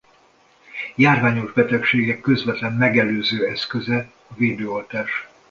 Járványos betegségek közvetlen megelőző eszköze a védőoltás.